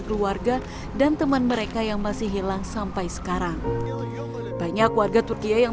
keluarga dan teman mereka yang masih hilang sampai sekarang banyak warga turkiye yang